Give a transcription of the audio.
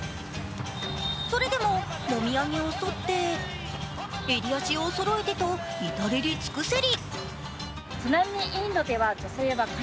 それでも揉み上げをそって襟足をそろえてと至れり尽くせり。